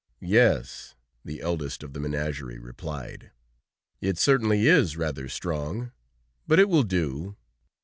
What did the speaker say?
"Yes," the eldest of the menagerie replied. "It certainly is rather strong, but it will do!